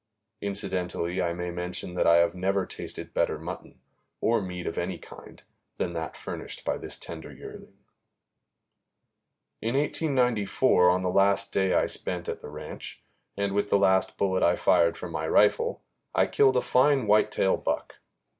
Incidentally I may mention that I have never tasted better mutton, or meat of any kind, than that furnished by this tender yearling. In 1894, on the last day I spent at the ranch, and with the last bullet I fired from my rifle, I killed a fine whitetail buck.